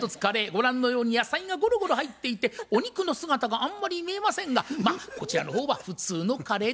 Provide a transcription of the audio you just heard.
ご覧のように野菜がゴロゴロ入っていてお肉の姿があんまり見えませんがまあこちらの方は普通のカレーといった感じでしょうか。